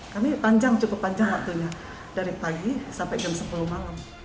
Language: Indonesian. kami panjang cukup panjang waktunya dari pagi sampai jam sepuluh malam